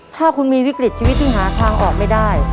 ถ้าคุณมีวิกฤตชีวิตที่หาทางออกไม่ได้